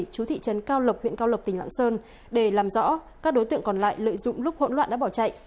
chú thị trấn cao lộc huyện cao lộc tỉnh lạng sơn để làm rõ các đối tượng còn lại lợi dụng lúc hỗn loạn đã bỏ chạy